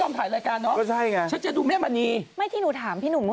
นี่นี่ผมจำได้ผมนั่งติดดูอยู่